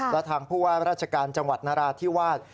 และทางผู้ว่าราชการจังหวัดนราธิวาส